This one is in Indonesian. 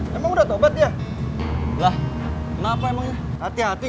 tapi jatuhnya download di youtube